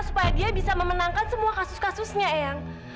supaya dia bisa memenangkan semua kasus kasusnya ya